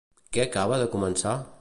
Què acaba de començar?